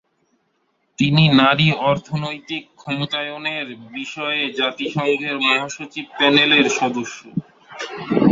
তিনি নারী অর্থনৈতিক ক্ষমতায়নের বিষয়ে জাতিসংঘের মহাসচিব-প্যানেলের সদস্য।